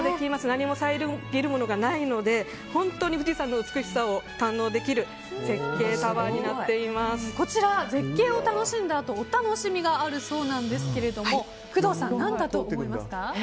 何も遮るものがないので本当に富士山の美しさを堪能できるこちら、絶景を楽しんだあとお楽しみがあるそうなんですが工藤さん、何だと思いますか？